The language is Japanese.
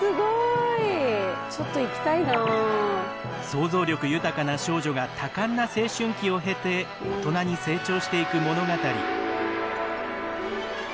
想像力豊かな少女が多感な青春期を経て大人に成長していく物語。